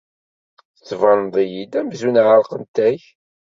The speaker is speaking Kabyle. Tettbaneḍ-iyi-d amzun ɛerqent-ak.